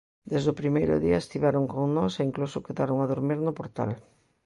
Desde o primeiro día estiveron con nós e incluso quedaron a durmir no portal.